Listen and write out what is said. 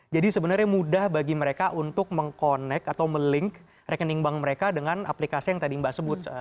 jadi sebenarnya mudah bagi mereka untuk meng connect atau melink rekening bank mereka dengan aplikasi yang tadi mbak sebut